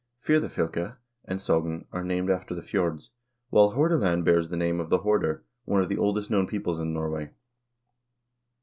FirtSafylke and Sogn are named after the fjords, while Hordaland bears the name of the Horder, one of the oldest known peoples in Norway.